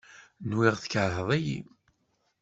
Nwiɣ tkerheḍ-iyi.